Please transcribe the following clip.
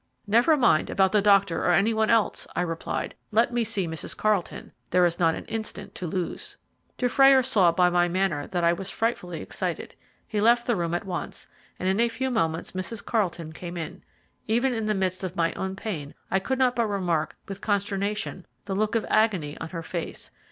"Never mind about the doctor or any one else," I replied; "let me see Mrs. Carlton there is not an instant to lose." Dufrayer saw by my manner that I was frightfully excited. He left the room at once, and in a few moments Mrs. Carlton came in. Even in the midst of my own pain I could not but remark with consternation the look of agony on her face.